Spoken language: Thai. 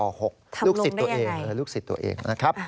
ทำลงได้อย่างไรนะครับลูกสิทธิ์ตัวเอง